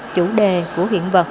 chủ đề của hiện vật